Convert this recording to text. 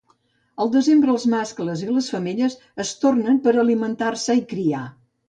Al desembre els mascles i femelles es tornen per a alimentar-se i criar.